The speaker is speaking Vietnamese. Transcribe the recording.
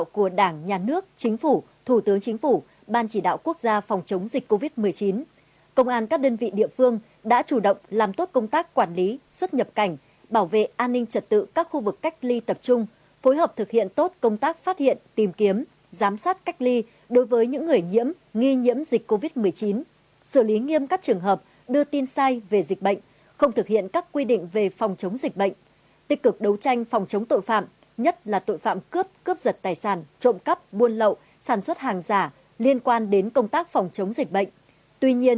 công an các đơn vị địa phương đã chủ động làm tốt công tác quản lý xuất nhập cảnh bảo vệ an ninh trật tự các khu vực cách ly tập trung phối hợp thực hiện tốt công tác phát hiện tìm kiếm giám sát cách ly đối với những người nhiễm nghi nhiễm dịch covid một mươi chín xử lý nghiêm các trường hợp đưa tin sai về dịch bệnh không thực hiện các quy định về phòng chống dịch bệnh tích cực đấu tranh phòng chống tội phạm nhất là tội phạm cướp cướp giật tài sản trộm cắp buôn lậu sản xuất hàng giả liên quan đến công tác phòng chống dịch bệnh